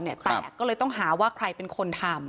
แตกก็เลยต้องหาว่าใครเป็นคนทำ